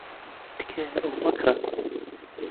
تکایە ئەوە مەکڕە.